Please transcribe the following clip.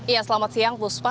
ya selamat siang puspa